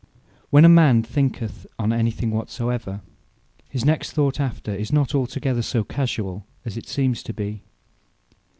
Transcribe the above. When a man thinketh on any thing whatsoever, His next Thought after, is not altogether so casuall as it seems to be.